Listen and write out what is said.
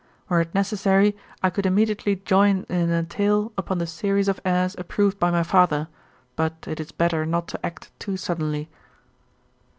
Were it necessary, I could immediately join in an entail upon the series of heirs approved by my father; but it is better not to act too suddenly.'